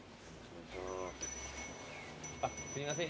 あっすいません